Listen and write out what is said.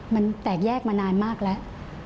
มันแตกแยกมานานมากแล้ว